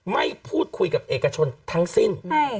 พูดคุยกับเอกชนทั้งสิ้น